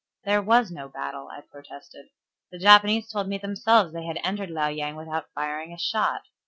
"There was no battle," I protested. "The Japanese told me themselves they had entered Liao Yang without firing a shot."